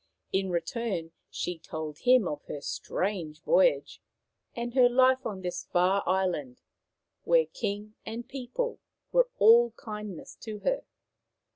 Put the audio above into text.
In return, she told him of her strange voyage and her life on this far island, where king and people were all kindness to her.